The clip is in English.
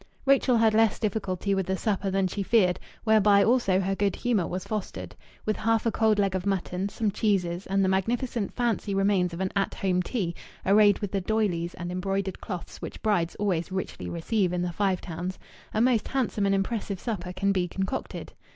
Rachel had less difficulty with the supper than she feared, whereby also her good humour was fostered. With half a cold leg of mutton, some cheeses, and the magnificent fancy remains of an At Home tea, arrayed with the d'oyleys and embroidered cloths which brides always richly receive in the Five Towns, a most handsome and impressive supper can be concocted.